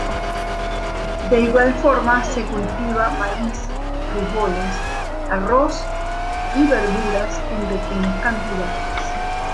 De igual forma, se cultiva maíz, frijoles, arroz, y verduras en pequeñas cantidades.